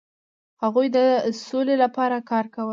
هغوی د سولې لپاره کار کاوه.